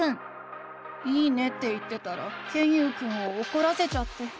「いいね」って言ってたらケンユウくんをおこらせちゃって。